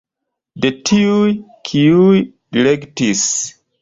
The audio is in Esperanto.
De tiuj, kiuj direktis.